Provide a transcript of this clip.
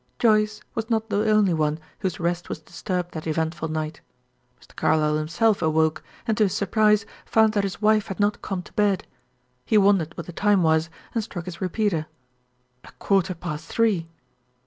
Joyce was not the only one whose rest was disturbed that eventful night. Mr. Carlyle himself awoke, and to his surprise found that his wife had not come to bed. He wondered what the time was, and struck his repeater. A quarter past three!